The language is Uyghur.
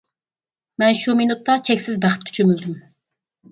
مەن شۇ مىنۇتتا چەكسىز بەختكە چۆمۈلدۈم.